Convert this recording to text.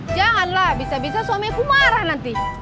janganlah bisa bisa suami aku marah nanti